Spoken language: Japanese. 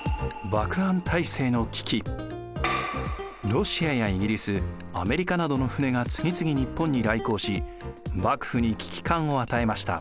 ロシアやイギリスアメリカなどの船が次々日本に来航し幕府に危機感を与えました。